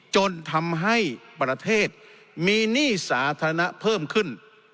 จนทำให้ประเทศมีหนี้สาธารณะเพิ่มขึ้น